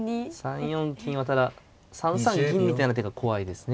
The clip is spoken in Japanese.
３四金はただ３三金みたいな手が怖いですね。